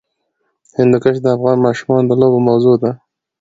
هندوکش د افغان ماشومانو د لوبو موضوع ده.